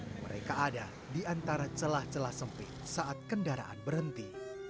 mereka ada di antara celah celah sempit saat kendaraan berhenti